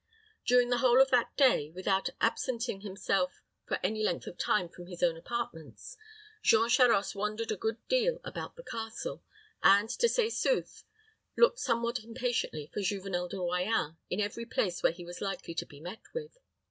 During the whole of that day, without absenting himself for any length of time from his own apartments, Jean Charost wandered a good deal about the castle, and, to say sooth, looked somewhat impatiently for Juvenel de Royans in every place where he was likely to be met with.